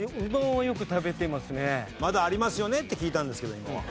まだありますよね？って聞いたんですけど今は。